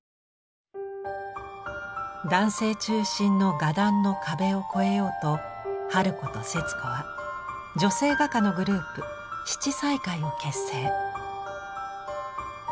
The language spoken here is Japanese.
男性中心の画壇の壁を越えようと春子と節子は女性画家のグループ「七彩会」を結成。